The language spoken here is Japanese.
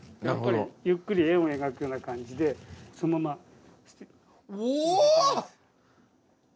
やっぱりゆっくり円を描くような感じでそのまま。